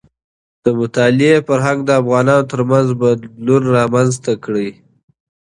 د مطالعې فرهنګ د افغانانو ترمنځ بدلون رامنځته کړي.